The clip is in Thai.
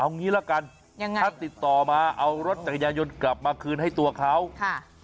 เอางี้ละกันยังไงถ้าติดต่อมาเอารถจักรยานยนต์กลับมาคืนให้ตัวเขาค่ะ